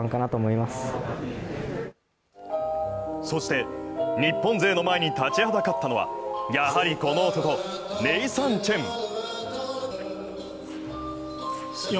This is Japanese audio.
そして日本勢の前に立ちはだかったのはやはりこの男、ネイサン・チェン。